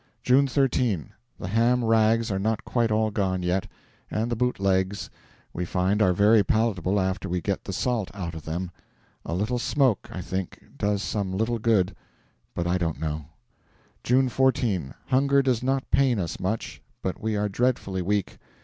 June 13. The ham rags are not quite all gone yet, and the boot legs, we find, are very palatable after we get the salt out of them. A little smoke, I think, does some little good; but I don't know. June 14. Hunger does not pain us much, but we are dreadfully weak.